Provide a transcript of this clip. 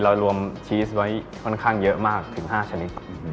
รวมชีสไว้ค่อนข้างเยอะมากถึง๕ชนิด